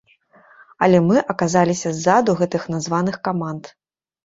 Але мы аказаліся ззаду гэтых названых каманд.